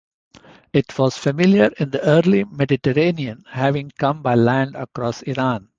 It was familiar in the early Mediterranean, having come by land across Iran.